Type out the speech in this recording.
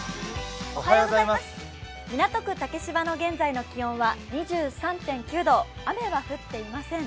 港区竹芝の現在の気温は２３．９度、雨は降っていません。